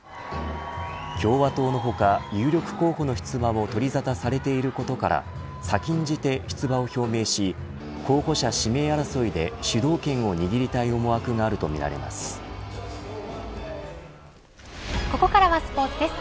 共和党の他、有力候補の出馬も取りざたされていることから先んじて出馬を表明し候補者指名争いで、主導権を握りたい思惑があるとみられます。